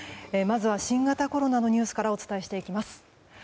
まずは新型コロナのニュースからお伝えしていきます。